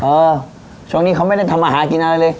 เออช่วงนี้เขาไม่ได้ทำอาหารกินอะไรเลย